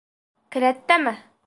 — Келәттәме?